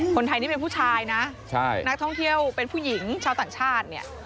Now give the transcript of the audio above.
คนไทยนี่เป็นผู้ชายนะนักท่องเที่ยวเป็นผู้หญิงชาวต่างชาติเนี่ย